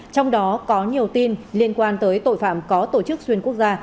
trong đó có nhiều tin liên quan tới tội phạm có tổ chức xuyên quốc gia